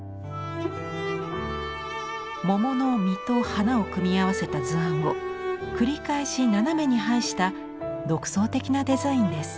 桃の実と花を組み合わせた図案を繰り返し斜めに配した独創的なデザインです。